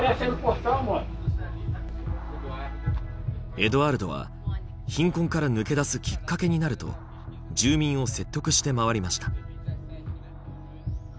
エドアルドは「貧困から抜け出すきっかけになる」と住民を説得して回りました。